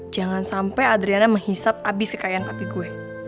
jangan sampai adriana menghisap abis kekayaan tapi gue